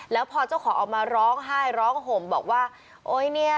แล้วพอเจ้าของออกมาร้องไห้ร้องห่มบอกว่าโอ๊ยเนี่ย